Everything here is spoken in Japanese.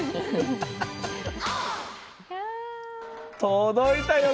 届いたよ